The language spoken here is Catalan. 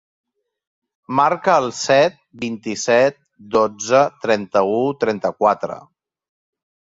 Marca el set, vint-i-set, dotze, trenta-u, trenta-quatre.